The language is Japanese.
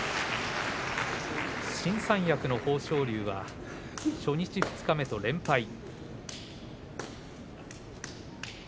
新三役の豊昇龍は初日二日目と連敗。